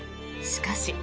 しかし。